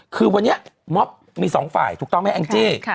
คือวันนี้ม็อบมีสองฝ่ายถูกต้องไหมแองจี้